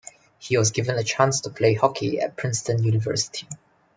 He was given a chance to play hockey at Princeton University.